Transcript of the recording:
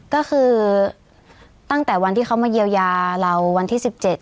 ก็คือตั้งแต่วันที่เขามาเยียวยาเราวันที่๑๗